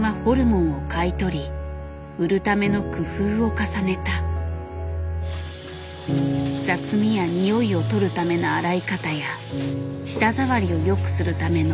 雑味や臭いを取るための洗い方や舌触りを良くするための刃先の入れ方。